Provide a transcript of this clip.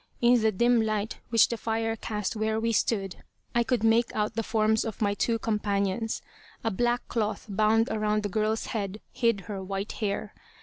In the dim light which the fire cast where we stood, I could make out the forms of my two companions. A black cloth bound around the girl's head hid her white hair.